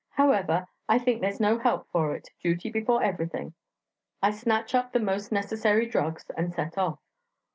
However, I think there's no help for it; duty before everything. I snatch up the most necessary drugs, and set off.